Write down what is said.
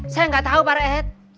saya nggak tahu pak rehat